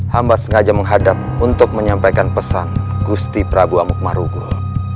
hamba sengaja menghadap untuk menyampaikan pesan gusti prabu amuk marugul